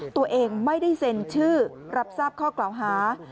ตัวเองไม่ได้เซ็นชื่อรับทราบข้อกล่าวหา